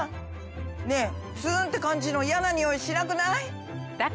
ツーンって感じの嫌なニオイしなくない？